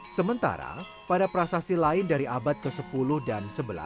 sementara pada prasasti lain dari abad ke sepuluh dan sebelas